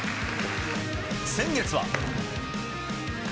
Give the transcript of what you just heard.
先月は。